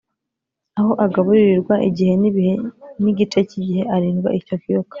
aho agaburirirwa igihe n’ibihe n’igice cy’igihe, arindwa icyo kiyoka